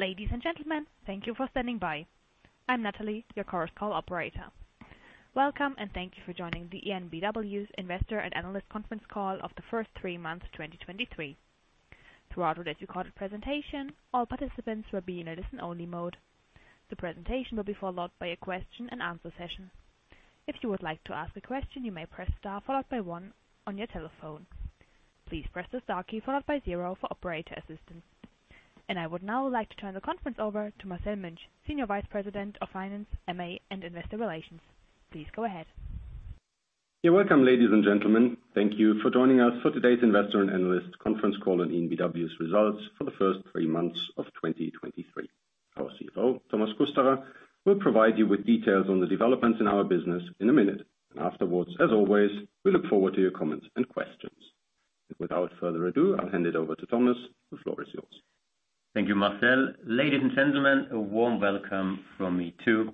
Ladies and gentlemen, thank you for standing by. I'm Natalie, your Chorus Call operator. Welcome, and thank you for joining the EnBW's Investor at Analyst Conference call of the first three months, 2023. Throughout today's recorded presentation, all participants will be in a listen-only mode. The presentation will be followed by a question and answer session. If you would like to ask a question, you may press Star followed by one on your telephone. Please press the Star key followed by zeero for operator assistance. I would now like to turn the conference over to Marcel Münch, Senior Vice President of Finance, M&A and Investor Relations. Please go ahead. Yeah, welcome, ladies and gentlemen. Thank you for joining us for today's Investor and Analyst conference call on EnBW's results for the first three months of 2023. Our CFO, Thomas Kusterer, will provide you with details on the developments in our business in a minute. Afterwards, as always, we look forward to your comments and questions. Without further ado, I'll hand it over to Thomas. The floor is yours. Thank you, Marcel. Ladies and gentlemen, a warm welcome from me, too.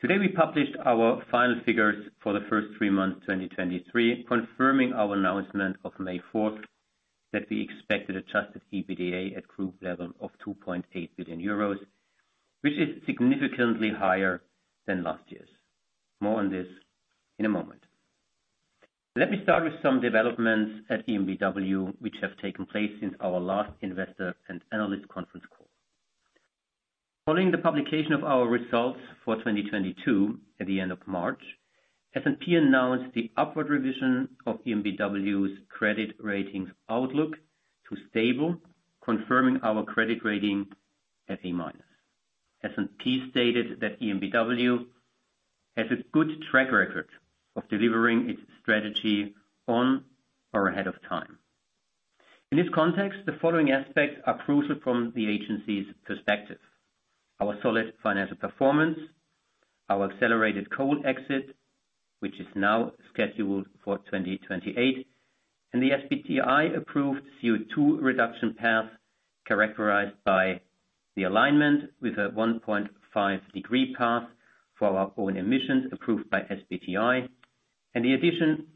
Today, we published our final figures for the first three months, 2023, confirming our announcement of May 4th that we expected adjusted EBITDA at group level of 2.8 billion euros, which is significantly higher than last year's. More on this in a moment. Let me start with some developments at EnBW, which have taken place since our last investor and analyst conference call. Following the publication of our results for 2022 at the end of March, S&P announced the upward revision of EnBW's credit ratings outlook to stable, confirming our credit rating at A minus. S&P stated that EnBW has a good track record of delivering its strategy on or ahead of time. In this context, the following aspects are crucial from the agency's perspective: Our solid financial performance, our accelerated coal exit, which is now scheduled for 2028, and the SBTi-approved CO2 reduction path, characterized by the alignment with a 1.5 degree path for our own emissions approved by SBTi and the addition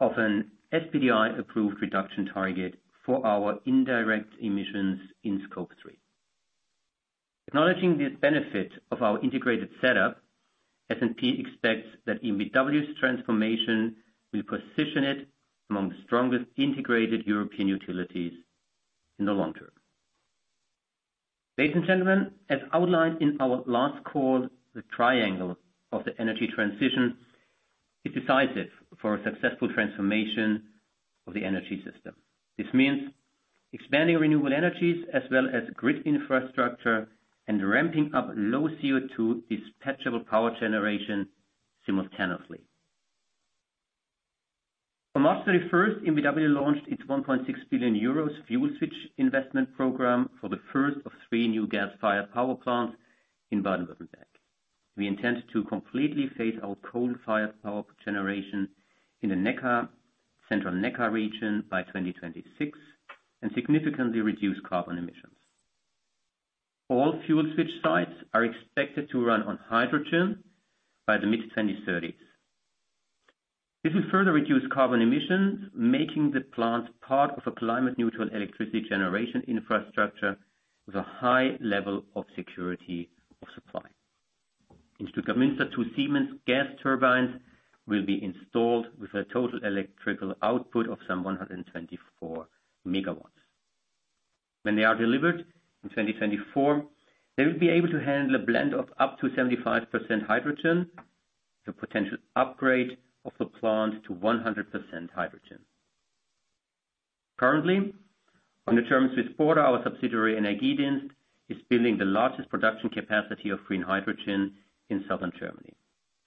of an SBTi-approved reduction target for our indirect emissions in Scope 3. Acknowledging this benefit of our integrated setup, S&P expects that EnBW's transformation will position it among the strongest integrated European utilities in the long term. Ladies and gentlemen, as outlined in our last call, the triangle of the energy transition is decisive for a successful transformation of the energy system. This means expanding renewable energies as well as grid infrastructure and ramping up low CO2 dispatchable power generation simultaneously. On March 31st, EnBW launched its 1.6 billion euros fuel switch investment program for the 1st of 3 new gas-fired power plants in Baden-Württemberg. We intend to completely phase out coal-fired power generation in the Neckar, central Neckar region by 2026 and significantly reduce carbon emissions. All fuel switch sites are expected to run on hydrogen by the mid-2030s. This will further reduce carbon emissions, making the plants part of a climate-neutral electricity generation infrastructure with a high level of security of supply. In Stuttgart-Münster, two Siemens gas turbines will be installed with a total electrical output of some 124 megawatts. When they are delivered in 2024, they will be able to handle a blend of up to 75% hydrogen, the potential upgrade of the plant to 100% hydrogen. Currently, on the German-Swiss border, our subsidiary, Energiedienst, is building the largest production capacity of green hydrogen in Southern Germany.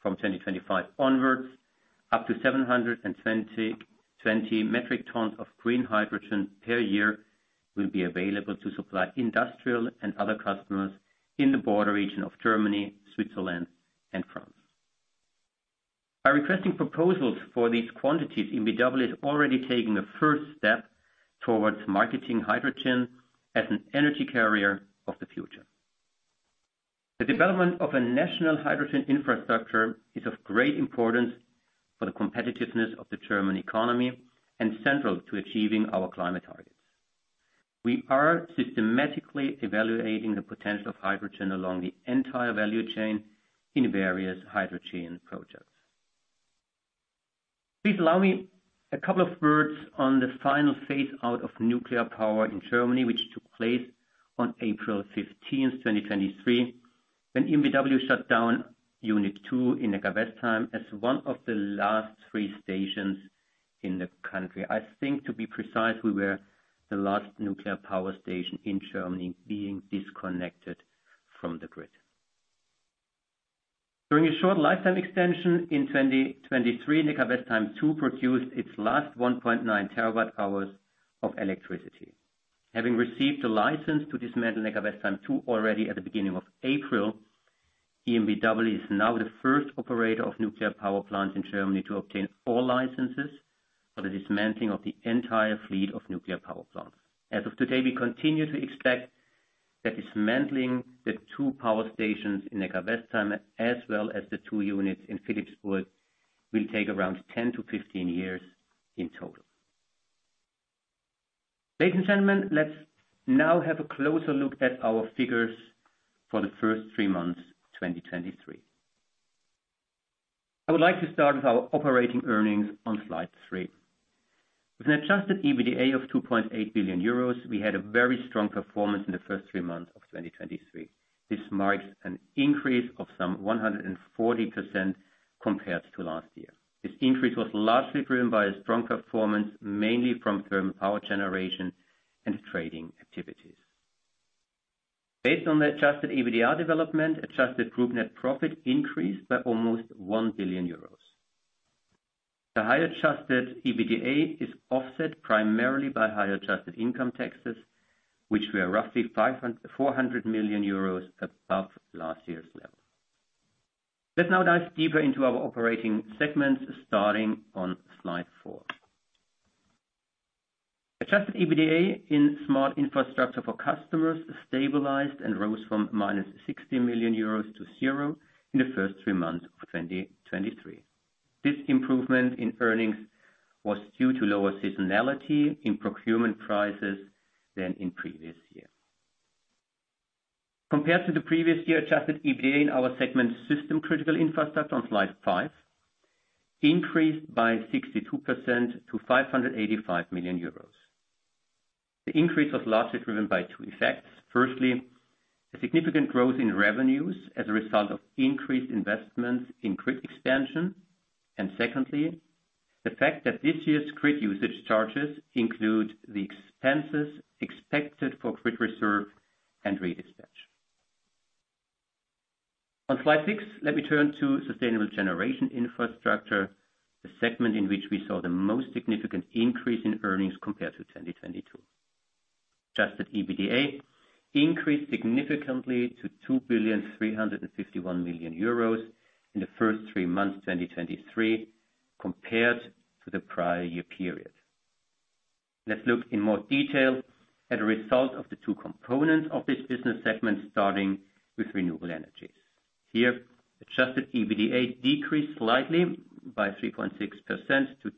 From 2025 onwards, up to 720 metric tons of green hydrogen per year will be available to supply industrial and other customers in the border region of Germany, Switzerland, and France. By requesting proposals for these quantities, EnBW is already taking the first step towards marketing hydrogen as an energy carrier of the future. The development of a national hydrogen infrastructure is of great importance for the competitiveness of the German economy and central to achieving our climate targets. We are systematically evaluating the potential of hydrogen along the entire value chain in various hydrogen projects. Please allow me a couple of words on the final phase-out of nuclear power in Germany, which took place on April 15th, 2023, when EnBW shut down Unit 2 in Neckarwestheim as one of the last 3 stations in the country. I think, to be precise, we were the last nuclear power station in Germany being disconnected from the grid. During a short lifetime extension in 2023, Neckarwestheim 2 produced its last 1.9 terawatt hours of electricity. Having received a license to dismantle Neckarwestheim 2 already at the beginning of April, EnBW is now the first operator of nuclear power plants in Germany to obtain all licenses for the dismantling of the entire fleet of nuclear power plants. As of today, we continue to expect that dismantling the two power stations in Neckarwestheim, as well as the two units in Philippsburg, will take around 10-15 years in total. Ladies and gentlemen, let's now have a closer look at our figures for the first three months, 2023. I would like to start with our operating earnings on slide three. With an adjusted EBITDA of 2.8 billion euros, we had a very strong performance in the first three months of 2023. This marks an increase of some 140% compared to last year. This increase was largely driven by a strong performance, mainly from thermal power generation and trading activities. Based on the adjusted EBITDA development, adjusted group net profit increased by almost 1 billion euros. The higher adjusted EBITDA is offset primarily by higher adjusted income taxes, which were roughly 400 million euros above last year's level. Let's now dive deeper into our operating segments, starting on slide four. Adjusted EBITDA in Smart Infrastructure for Customers stabilized and rose from minus 60 million euros to zero in the first three months of 2023. This improvement in earnings was due to lower seasonality in procurement prices than in previous year. Compared to the previous year, adjusted EBITDA in our segment System Critical Infrastructure on slide five, increased by 62% to 585 million euros. The increase was largely driven by two effects. Firstly, a significant growth in revenues as a result of increased investments in grid expansion. Secondly, the fact that this year's grid usage charges include the expenses expected for grid reserve and redispatch. On slide six, let me turn to Sustainable Generation Infrastructure, the segment in which we saw the most significant increase in earnings compared to 2022. adjusted EBITDA increased significantly to 2.351 billion in the three months, 2023, compared to the prior year period. Let's look in more detail at the result of the two components of this business segment, starting with renewable energies. Here, adjusted EBITDA decreased slightly by 3.6% to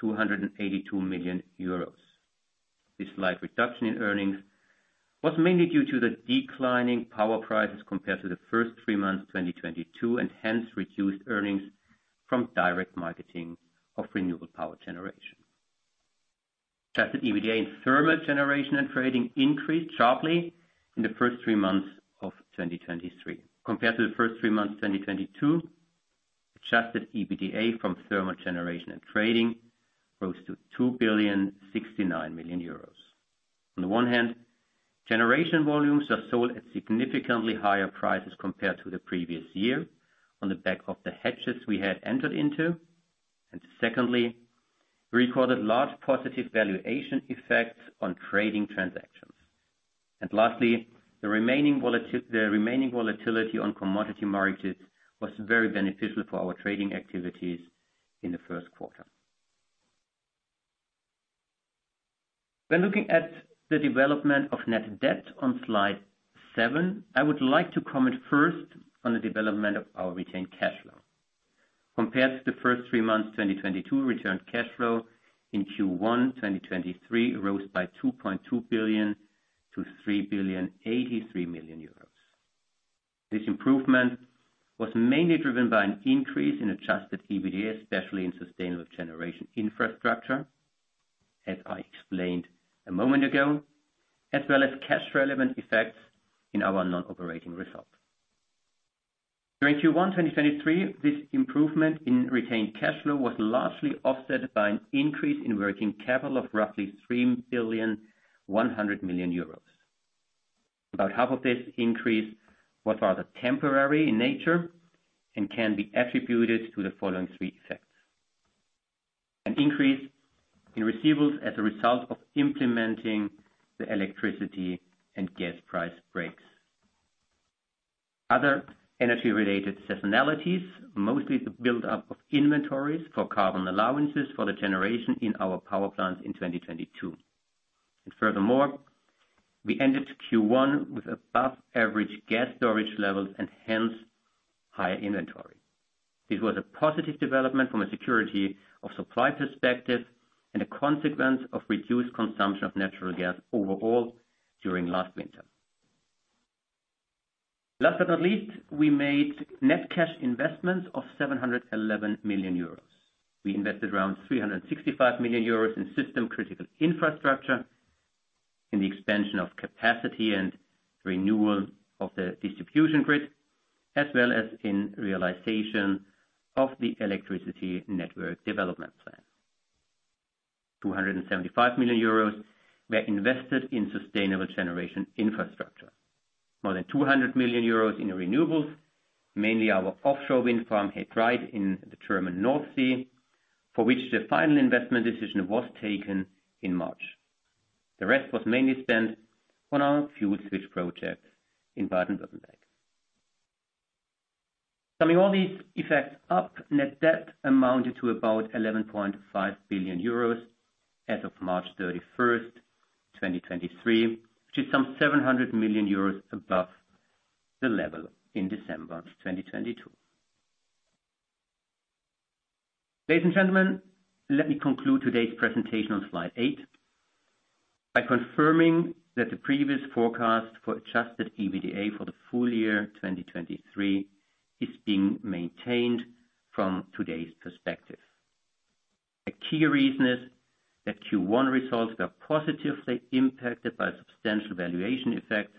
282 million euros. This slight reduction in earnings was mainly due to the declining power prices compared to the three months, 2022, and hence reduced earnings from direct marketing of renewable power generation. Adjusted EBITDA in thermal generation and trading increased sharply in the three months of 2023. Compared to the first three months, 2022, adjusted EBITDA from thermal generation and trading rose to 2.069 billion. On the one hand, generation volumes are sold at significantly higher prices compared to the previous year on the back of the hedges we had entered into. Secondly, we recorded large positive valuation effects on trading transactions. Lastly, the remaining volatility on commodity markets was very beneficial for our trading activities in the first quarter. When looking at the development of net debt on slide seven, I would like to comment first on the development of our retained cash flow. Compared to the first three months, 2022, retained cash flow in Q1, 2023, rose by 2.2 billion to 3.083 billion. This improvement was mainly driven by an increase in adjusted EBITDA, especially in Sustainable Generation Infrastructure, as I explained a moment ago, as well as cash-relevant effects in our non-operating results. During Q1 2023, this improvement in retained cash flow was largely offset by an increase in working capital of roughly 3.1 billion. About half of this increase was rather temporary in nature and can be attributed to the following three effects. An increase in receivables as a result of implementing the electricity and gas price brakes. Other energy-related seasonalities, mostly the build-up of inventories for carbon allowances for the generation in our power plants in 2022. Furthermore, we ended Q1 with above-average gas storage levels and hence higher inventory. This was a positive development from a security of supply perspective and a consequence of reduced consumption of natural gas overall during last winter. Last but not least, we made net cash investments of 711 million euros. We invested around 365 million euros in System Critical Infrastructure, in the expansion of capacity and renewal of the distribution grid, as well as in realization of the Electricity Network Development Plan. 275 million euros were invested in Sustainable Generation Infrastructure. More than 200 million euros in renewables, mainly our offshore wind farm, He Dreiht, in the German North Sea, for which the final investment decision was taken in March. The rest was mainly spent on our fuel switch project in Baden-Württemberg. Summing all these effects up, net debt amounted to about 11.5 billion euros as of March 31, 2023, which is some 700 million euros above the level in December of 2022. Ladies and gentlemen, let me conclude today's presentation on slide eight by confirming that the previous forecast for adjusted EBITDA for the full year 2023 is being maintained from today's perspective. A key reason is that Q1 results were positively impacted by substantial valuation effects,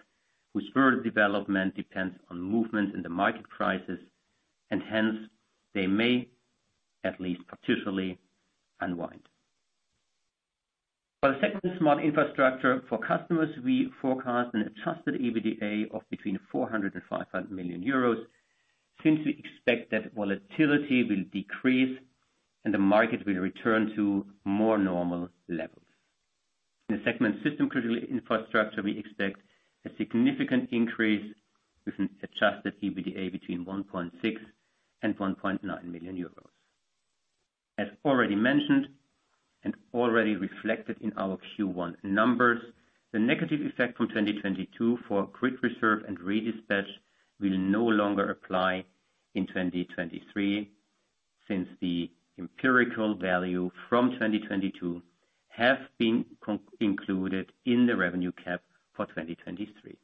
whose further development depends on movements in the market prices, and hence they may at least partially unwind. For the segment Smart Infrastructure for Customers, we forecast an adjusted EBITDA of between 400 million-500 million euros since we expect that volatility will decrease and the market will return to more normal levels. In the segment System Critical Infrastructure, we expect a significant increase with an adjusted EBITDA between 1.6 million and 1.9 million euros. As already mentioned and already reflected in our Q1 numbers, the negative effect from 2022 for grid reserve and redispatch will no longer apply in 2023, since the empirical value from 2022 have been included in the revenue cap for 2023.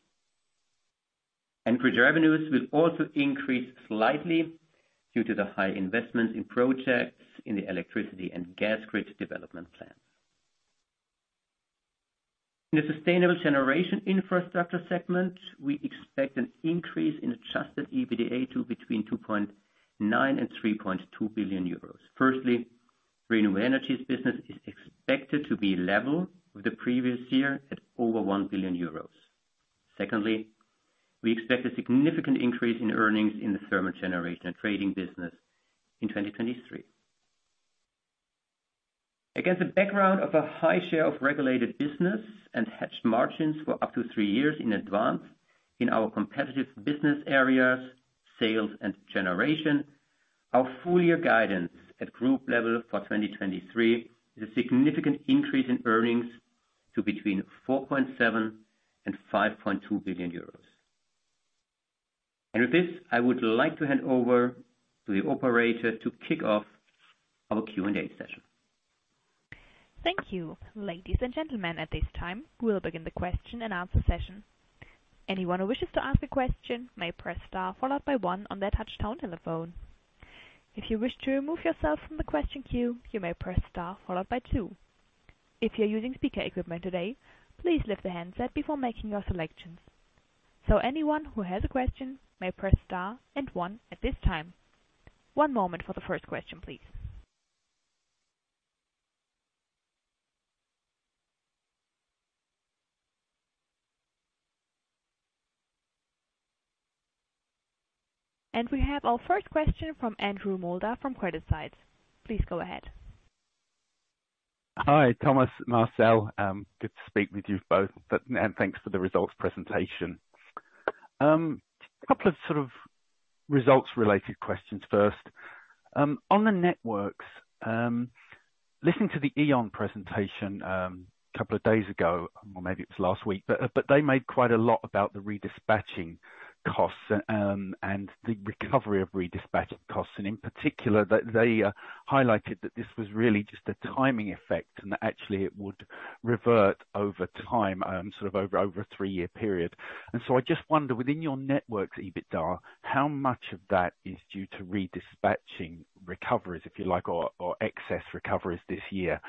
Anchorage revenues will also increase slightly due to the high investments in projects in the electricity and gas grid development plans. In the Sustainable Generation Infrastructure segment, we expect an increase in adjusted EBITDA to between 2.9 billion and 3.2 billion euros. Firstly, renewable energies business is expected to be level with the previous year at over 1 billion euros. Secondly, we expect a significant increase in earnings in the thermal generation and trading business in 2023. Against the background of a high share of regulated business and hedged margins for up to three years in advance in our competitive business areas, sales and generation, our full year guidance at group level for 2023 is a significant increase in earnings to between 4.7 billion and 5.2 billion euros. With this, I would like to hand over to the operator to kick off our Q&A session. Thank you. Ladies and gentlemen, at this time, we will begin the question and answer session. Anyone who wishes to ask a question may press star followed by one on their touch-tone telephone. If you wish to remove yourself from the question queue, you may press star followed by two. If you're using speaker equipment today, please lift the handset before making your selections. Anyone who has a question may press star and one at this time. One moment for the first question, please. We have our first question from Andrew Moulder from CreditSights. Please go ahead. Hi, Thomas, Marcel. Good to speak with you both, and thanks for the results presentation. Couple of sort of results-related questions first. On the networks, listening to the E.ON presentation, a couple of days ago, or maybe it was last week, but they made quite a lot about the redispatching costs, and the recovery of redispatching costs, and in particular that they highlighted that this was really just a timing effect and that actually it would revert over time, sort of over a three-year period. I just wonder, within your networks EBITDA, how much of that is due to redispatching recoveries, if you like, or excess recoveries this year,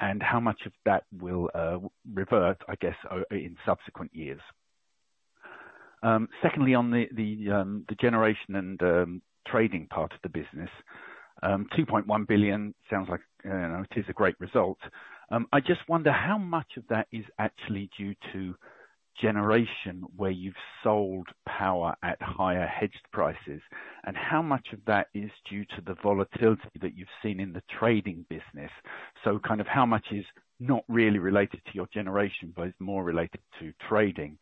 and how much of that will revert, I guess, in subsequent years? Secondly, on the generation and trading part of the business, 2.1 billion sounds like, you know, it is a great result. I just wonder how much of that is actually due to generation where you've sold power at higher hedged prices, and how much of that is due to the volatility that you've seen in the trading business. Kind of how much is not really related to your generation, but is more related to trading,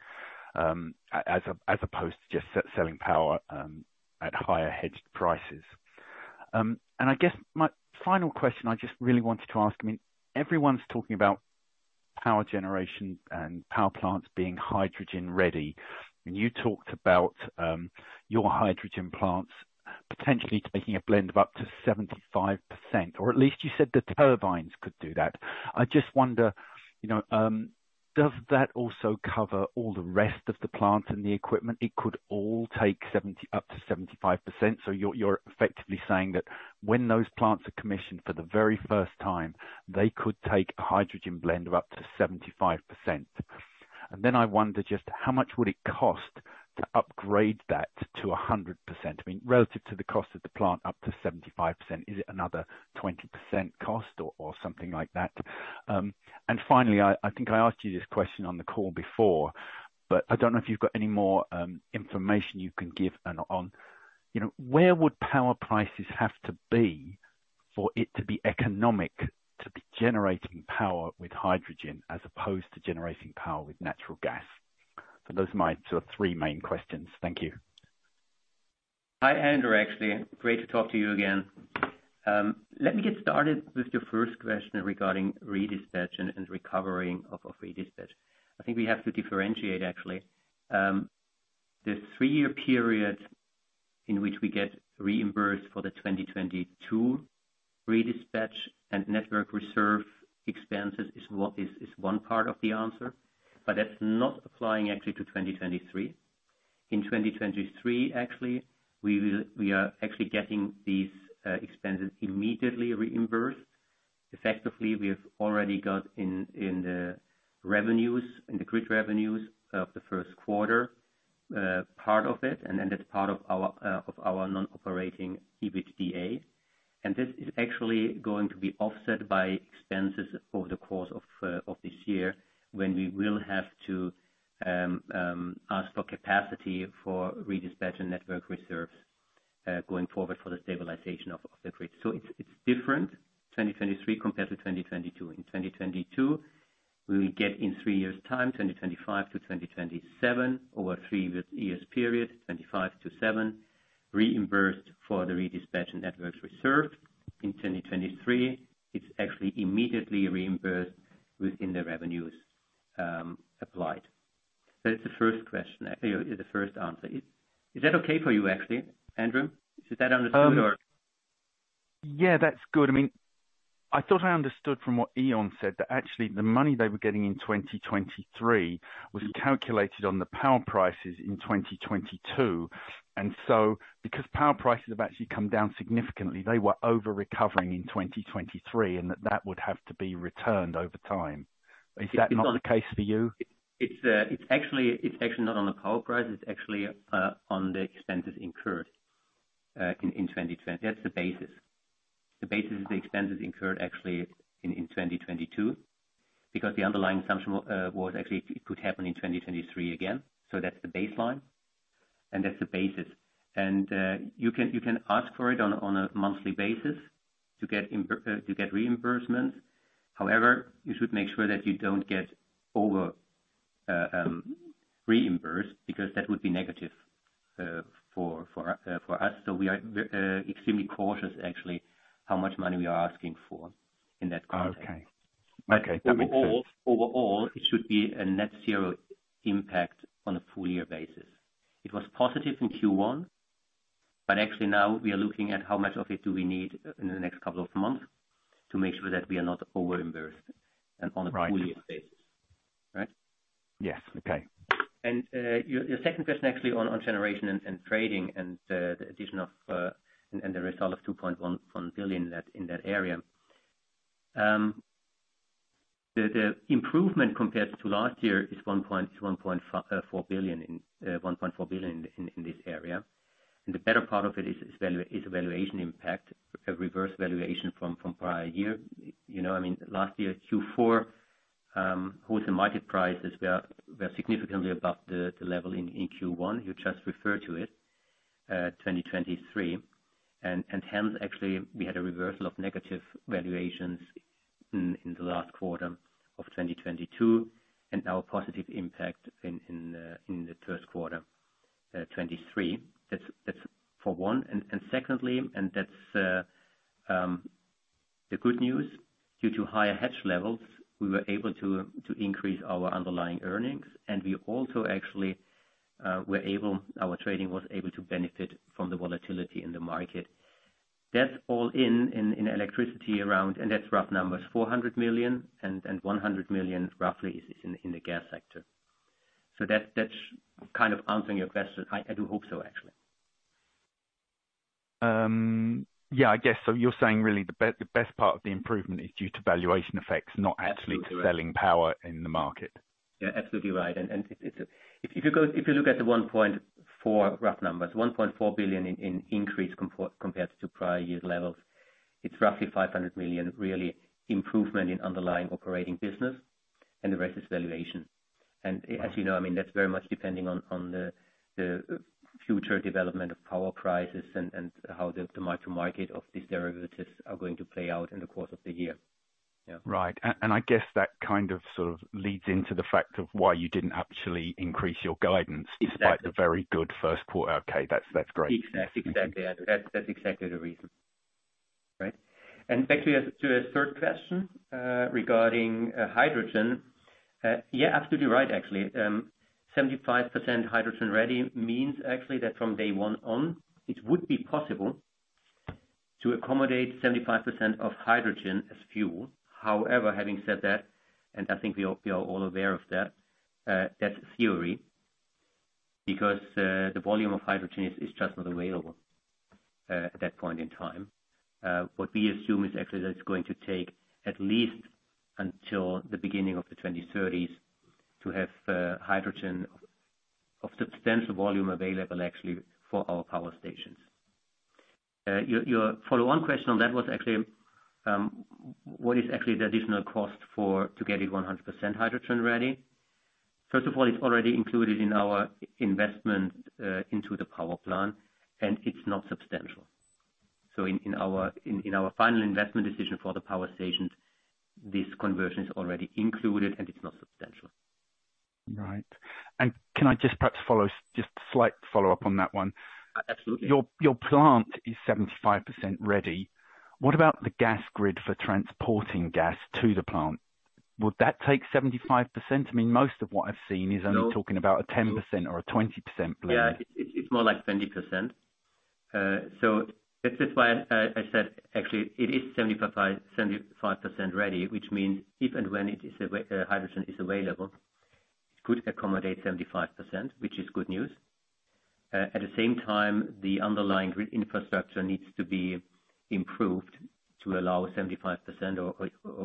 as opposed to just selling power at higher hedged prices. I guess my final question I just really wanted to ask, I mean, everyone's talking about power generation and power plants being hydrogen-ready. You talked about your hydrogen plants potentially taking a blend of up to 75%, or at least you said the turbines could do that. I just wonder, you know, does that also cover all the rest of the plant and the equipment? It could all take up to 75%, so you're effectively saying that when those plants are commissioned for the very first time, they could take a hydrogen blend of up to 75%. I wonder just how much would it cost to upgrade that to 100%? I mean, relative to the cost of the plant up to 75%, is it another 20% cost or something like that? Finally, I think I asked you this question on the call before, but I don't know if you've got any more information you can give on, you know, where would power prices have to be for it to be economic to be generating power with hydrogen as opposed to generating power with natural gas. Those are my sort of three main questions. Thank you. Hi, Andrew. Actually, great to talk to you again. Let me get started with your first question regarding redispatch and recovering of redispatch. I think we have to differentiate actually, the three-year period in which we get reimbursed for the 2022 redispatch and network reserve expenses is one part of the answer. That's not applying actually to 2023. In 2023, actually, we are actually getting these expenses immediately reimbursed. Effectively, we have already got in the grid revenues of the first quarter, part of it, that's part of our non-operating EBITDA. This is actually going to be offset by expenses over the course of this year when we will have to ask for capacity for redispatch and network reserves going forward for the stabilization of the grid. It's different, 2023 compared to 2022. In 2022, we will get in three years' time, 2025-2027, over a three years period, 2025-2027, reimbursed for the redispatch and networks reserved. In 2023, it's actually immediately reimbursed within the revenues applied. That's the first question. The first answer. Is that okay for you, actually, Andrew? Is that understood or? Yeah, that's good. I mean, I thought I understood from what E.ON said that actually the money they were getting in 2023 was calculated on the power prices in 2022. Because power prices have actually come down significantly, they were over-recovering in 2023, and that would have to be returned over time. Is that not the case for you? It's actually not on the power price. It's actually on the expenses incurred in 2020. That's the basis. The basis is the expenses incurred actually in 2022, because the underlying assumption was actually it could happen in 2023 again. That's the baseline, and that's the basis. You can ask for it on a monthly basis to get reimbursement. However, you should make sure that you don't get over reimbursed because that would be negative for us. We are extremely cautious actually how much money we are asking for in that context. Oh, okay. Okay. That makes sense. Overall, it should be a net zero impact on a full year basis. It was positive in Q1, actually now we are looking at how much of it do we need in the next couple of months to make sure that we are not over reimbursed and on a full year basis, right? Yes. Okay. Your second question actually on generation and trading and the result of 2.11 billion in that area. The improvement compared to last year is 1.4 billion in this area. The better part of it is valuation impact, a reverse valuation from prior year. You know, I mean, last year, Q4, wholesale market prices were significantly above the level in Q1. You just referred to it, 2023. Hence, actually, we had a reversal of negative valuations in the last quarter of 2022 and now a positive impact in the first quarter 2023. That's for one. Secondly, that's the good news. Due to higher hedge levels, we were able to increase our underlying earnings. We also actually were able. Our trading was able to benefit from the volatility in the market. That's all in electricity around, that's rough numbers, 400 million and 100 million roughly is in the gas sector. That's kind of answering your question. I do hope so, actually. Yeah, I guess so. You're saying really the best part of the improvement is due to valuation effects, not actually selling power in the market? Yeah. Absolutely right. If you go, if you look at the rough numbers, 1.4 billion in increase compared to prior year levels, it's roughly 500 million really improvement in underlying operating business and the rest is valuation. As you know, I mean, that's very much depending on the future development of power prices and how the micro market of these derivatives are going to play out in the course of the year. Yeah. Right. I guess that kind of sort of leads into the fact of why you didn't actually increase your guidance despite the very good first quarter. Okay. That's great. Exactly, Andrew. That's exactly the reason. Right? Actually, to a third question, regarding hydrogen. Yeah, absolutely right, actually. 75% hydrogen ready means actually that from day one on, it would be possible to accommodate 75% of hydrogen as fuel. However, having said that, and I think we are all aware of that's theory because the volume of hydrogen is just not available at that point in time. What we assume is actually that it's going to take at least until the beginning of the 2030s to have hydrogen of substantial volume available actually for our power stations. Your follow-on question on that was actually, what is actually the additional cost to get it 100% hydrogen ready? First of all, it's already included in our investment into the power plant, and it's not substantial. In our final investment decision for the power station, this conversion is already included, and it's not substantial. Right. Can I just slight follow-up on that one? Absolutely. Your plant is 75% ready. What about the gas grid for transporting gas to the plant? Would that take 75%? I mean, most of what I've seen is only talking about a 10% or a 20% blend. It's more like 20%. That is why I said actually it is 75% ready, which means if and when hydrogen is available, it could accommodate 75%, which is good news. At the same time, the underlying grid infrastructure needs to be improved to allow 75%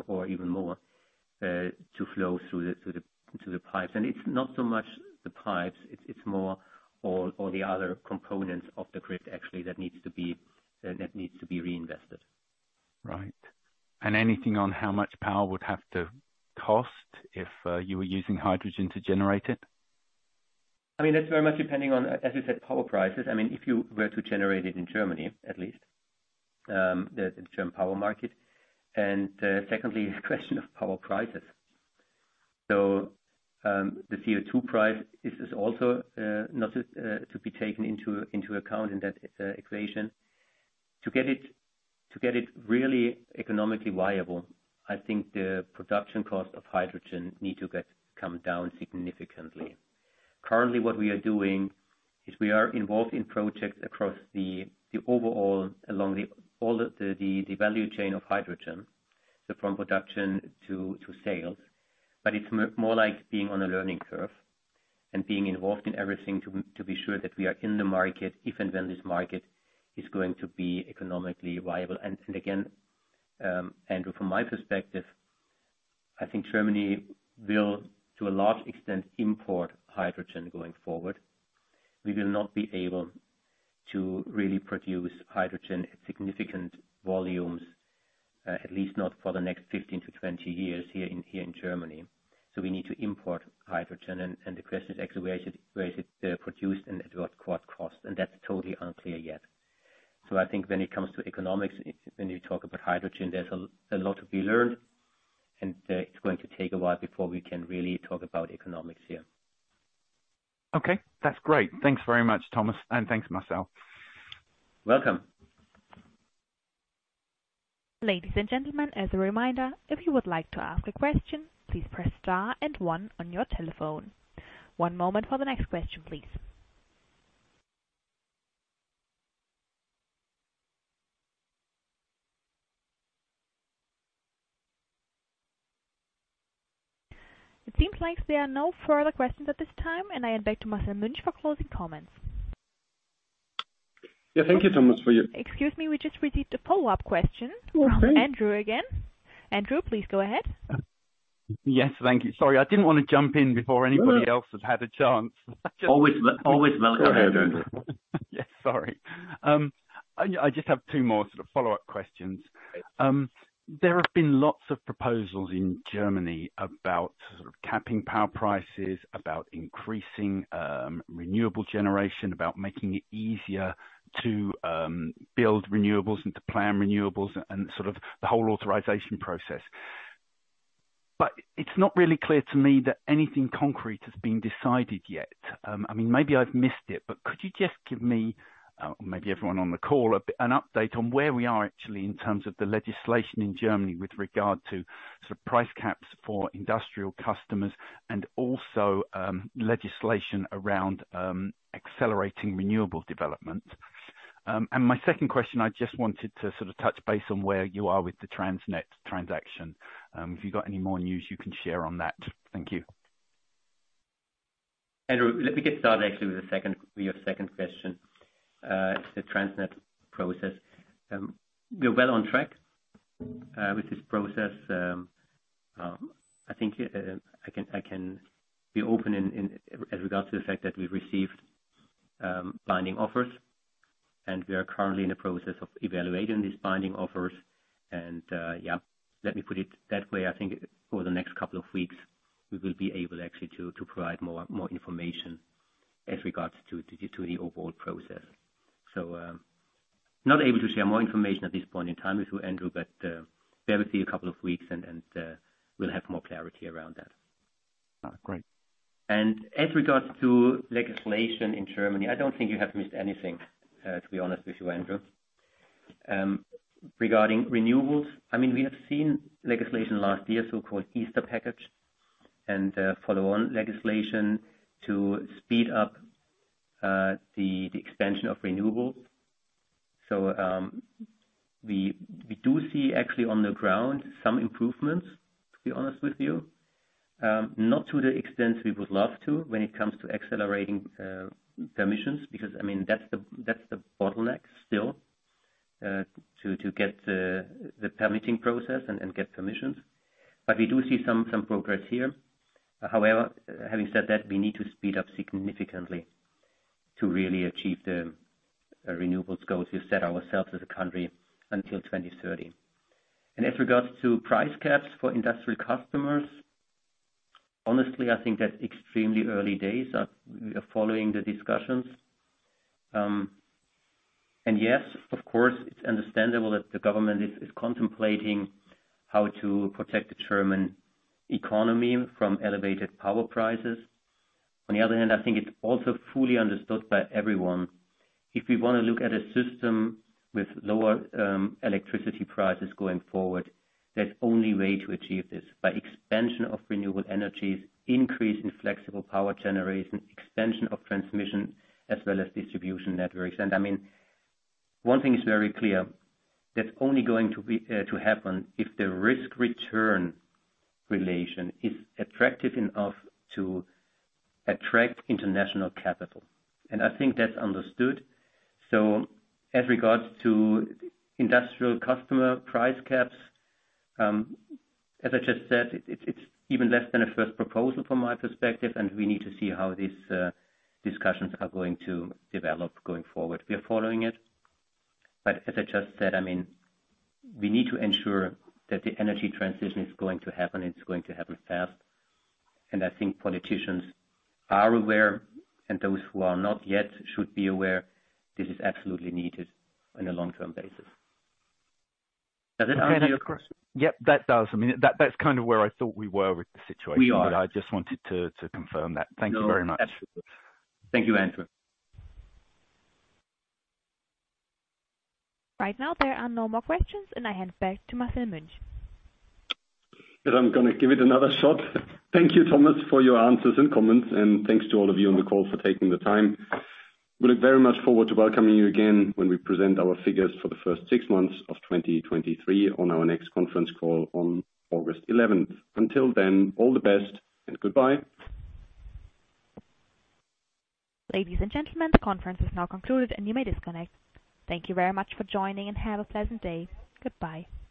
or even more to flow through the pipes. It's not so much the pipes, it's more all the other components of the grid, actually, that needs to be reinvested. Anything on how much power would have to cost if you were using hydrogen to generate it? I mean, that's very much depending on, as you said, power prices. I mean, if you were to generate it in Germany, at least, the German power market. Secondly, question of power prices. The CO2 price is also not just to be taken into account in that equation. To get it, to get it really economically viable, I think the production cost of hydrogen need to come down significantly. Currently, what we are doing is we are involved in projects across the overall along the value chain of hydrogen, so from production to sales. It's more like being on a learning curve and being involved in everything to be sure that we are in the market if and when this market is going to be economically viable. Again, Andrew, from my perspective, I think Germany will, to a large extent, import hydrogen going forward. We will not be able to really produce hydrogen at significant volumes, at least not for the next 15 to 20 years here in Germany. We need to import hydrogen and the question is actually where is it produced and at what cost. That's totally unclear yet. I think when it comes to economics, when you talk about hydrogen, there's a lot to be learned, and it's going to take a while before we can really talk about economics here. Okay. That's great. Thanks very much, Thomas. Thanks Marcel. Welcome. Ladies and gentlemen, as a reminder, if you would like to ask a question, please press star and one on your telephone. One moment for the next question, please. It seems like there are no further questions at this time. I hand back to Marcel Münch for closing comments. Yeah. Thank you, Thomas, for your- Excuse me. We just received a follow-up question- Oh, okay. From Andrew again. Andrew, please go ahead. Yes. Thank you. Sorry, I didn't wanna jump in before anybody else has had a chance. Always welcome, Andrew. Yes. Sorry. I just have two more sort of follow-up questions. Okay. There have been lots of proposals in Germany about sort of capping power prices, about increasing renewable generation, about making it easier to build renewables and to plan renewables and sort of the whole authorization process. It's not really clear to me that anything concrete has been decided yet. I mean, maybe I've missed it, but could you just give me, maybe everyone on the call, an update on where we are actually in terms of the legislation in Germany with regard to sort of price caps for industrial customers and also legislation around accelerating renewable development? And my second question, I just wanted to sort of touch base on where you are with the TransnetBW transaction, if you've got any more news you can share on that. Thank you. Andrew, let me get started actually with your second question, the TransnetBW process. We're well on track with this process. I think I can be open in as regards to the fact that we've received binding offers, and we are currently in the process of evaluating these binding offers. Yeah, let me put it that way. I think over the next couple of weeks, we will be able actually to provide more information, as regards to the overall process. Not able to share more information at this point in time with you, Andrew, but bear with me a couple of weeks and we'll have more clarity around that. Great. As regards to legislation in Germany, I don't think you have missed anything, to be honest with you, Andrew. Regarding renewables, I mean, we have seen legislation last year, so-called Easter Package and follow-on legislation to speed up the expansion of renewables. We do see actually on the ground some improvements, to be honest with you. Not to the extent we would love to when it comes to accelerating permissions, because I mean, that's the bottleneck still, to get the permitting process and get permissions. We do see some progress here. However, having said that, we need to speed up significantly to really achieve the renewables goals we've set ourselves as a country until 2030. As regards to price caps for industrial customers, honestly, I think that's extremely early days following the discussions. Yes, of course, it's understandable that the government is contemplating how to protect the German economy from elevated power prices. On the other hand, I think it's also fully understood by everyone, if we wanna look at a system with lower electricity prices going forward, there's only way to achieve this, by expansion of renewable energies, increase in flexible power generation, expansion of transmission, as well as distribution networks. I mean, one thing is very clear. That's only going to be to happen if the risk-return relation is attractive enough to attract international capital, and I think that's understood. As regards to industrial customer price caps, as I just said, it's even less than a first proposal from my perspective, and we need to see how these discussions are going to develop going forward. We're following it. As I just said, I mean, we need to ensure that the energy transition is going to happen, it's going to happen fast. I think politicians are aware and those who are not yet should be aware this is absolutely needed on a long-term basis. Does that answer your question? Yep, that does. I mean, that's kind of where I thought we were with the situation. We are. I just wanted to confirm that. Thank you very much. No, absolutely. Thank you, Andrew. Right now there are no more questions, and I hand back to Marcel Münch. I'm gonna give it another shot. Thank you, Thomas, for your answers and comments. Thanks to all of you on the call for taking the time. We look very much forward to welcoming you again when we present our figures for the first six months of 2023 on our next conference call on August 11th. Until then, all the best and goodbye. Ladies and gentlemen, the conference is now concluded and you may disconnect. Thank you very much for joining and have a pleasant day. Goodbye.